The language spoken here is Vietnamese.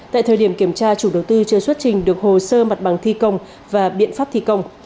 tại thời điểm kiểm tra chủ đầu tư chưa xuất trình được hồ sơ mặt bằng thi công và biện pháp thi công